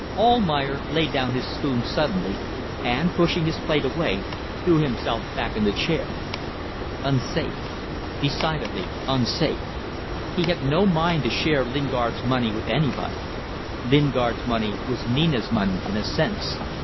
... Almayer laid down his spoon suddenly, and pushing his plate away, threw himself back in the chair. ... Unsafe. Decidedly unsafe. He had no mind to share Lingard's money with anybody. Lingard's money was Nina's money in a sense.